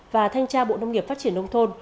và thanh tra bộ nông nghiệp phát triển nông thôn